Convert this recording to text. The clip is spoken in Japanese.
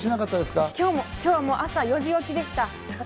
今日は朝４時起きでした。